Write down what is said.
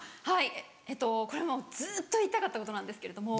はいこれもうずっと言いたかったことなんですけれど。